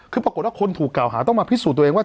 คือปรากฏว่าคนถูกกล่าวหาต้องมาพิสูจน์ตัวเองว่า